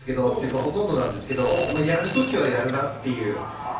ほとんどなんですけど、やるときはやるなっていう。